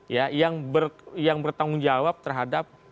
ya yang bertanggung jawab terhadap